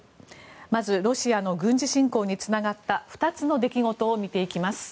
まず、ロシアの軍事侵攻につながった２つの出来事を見ていきます。